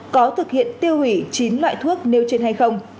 có thực hiện tiêu hủy chín loại thuốc nêu trên hay không